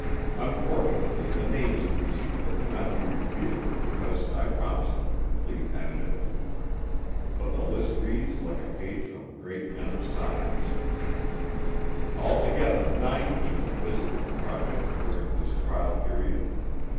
Unfortunately the names of these people cannot be revealed because I promised them complete anonymity. But the list reads like a page from Great Men of Science. Altogether nine people visited the project during this trial period.